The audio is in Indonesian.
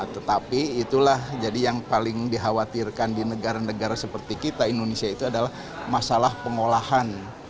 tetapi itulah jadi yang paling dikhawatirkan di negara negara seperti kita indonesia itu adalah masalah pengolahan